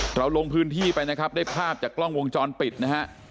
เราลงพื้นที่ไปนะครับได้ภาพจากกล้องวงจรปิดนะฮะ